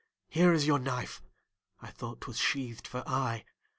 Here is your knife! I thought 'twas sheathed for aye.